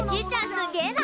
すげえな！